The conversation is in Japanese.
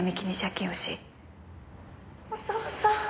お父さん。